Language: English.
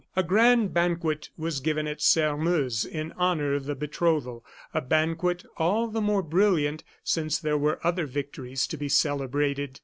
A grand banquet was given at Sairmeuse in honor of the betrothal a banquet all the more brilliant since there were other victories to be celebrated.